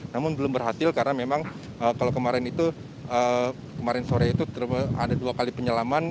namun belum berhasil karena memang kalau kemarin itu kemarin sore itu ada dua kali penyelaman